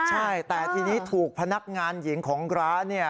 ใช่แต่ทีนี้ถูกพนักงานหญิงของร้านเนี่ย